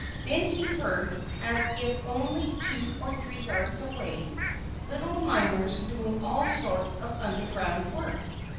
Then he heard, as if only two or three yards away, little miners doing all sorts of underground work.